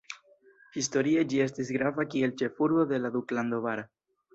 Historie ĝi estis grava kiel ĉefurbo de la duklando Bar.